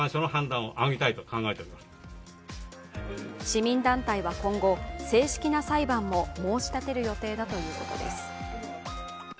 市民団体は今後、正式な裁判も申し立てる予定だということです。